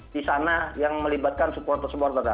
di sana yang melibatkan supporter supporter